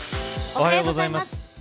おはようございます。